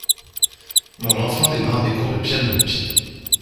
Mon enfant démarre des cours de piano.